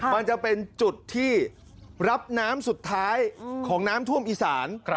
มันจะเป็นจุดที่รับน้ำสุดท้ายของน้ำท่วมอีสาน